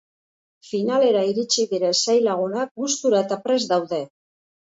Finalera iritsi diren sei lagunak gustura eta prest daude.